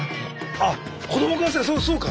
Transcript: あっ子どもからしたらそうか。